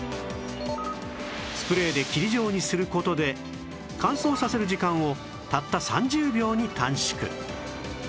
スプレーで霧状にする事で乾燥させる時間をたった３０秒に短縮